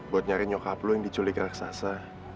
buat nyari nyokap lo yang diculik raksasa